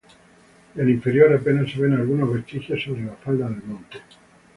Del inferior apenas se ven algunos vestigios sobre la falda del monte.